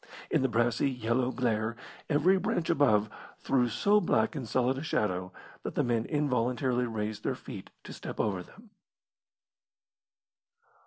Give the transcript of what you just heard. In the brassy, yellow glare every branch above threw so black and solid a shadow that the men involuntarily raised their feet to step over them.